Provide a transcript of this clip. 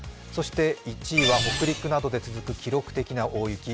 そして１位は、北陸などで続く記録的な大雪。